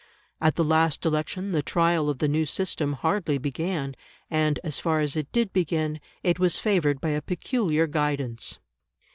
At the last election, the trial of the new system hardly began, and, as far as it did begin, it was favoured by a peculiar guidance.